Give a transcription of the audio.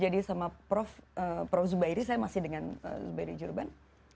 jadi sama prof zubairi saya masih dengan zubairi jurban